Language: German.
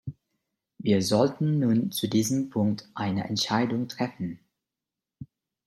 Wir sollten nun zu diesem Punkt eine Entscheidung treffen.